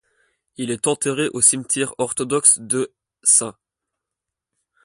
Il est enterré au cimetière orthodoxe de St.